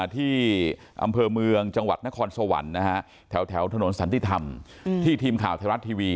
ที่อำเภอเมืองจังหวัดนครสวรรค์แถวถนนสันติธรรมที่ทีมข่าวไทยรัฐทีวี